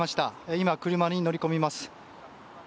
今、車に乗り込みます。